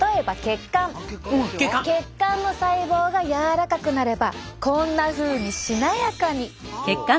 血管の細胞が柔らかくなればこんなふうにしなやかに。